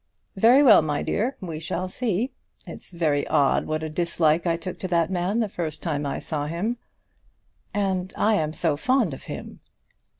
"Very well, my dear, we shall see. It's very odd what a dislike I took to that man the first time I saw him." "And I am so fond of him!"